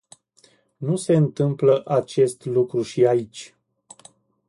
Nu se întâmplă acest lucru și aici.